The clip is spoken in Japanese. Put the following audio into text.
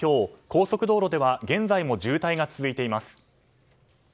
高速道路では現在も渋滞が続いています。